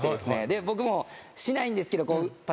僕もしないんですけど。